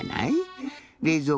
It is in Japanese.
れいぞう